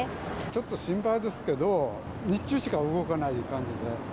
ちょっと心配ですけど、日中しか動かない感じで。